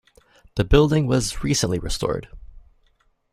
The building was recently restored.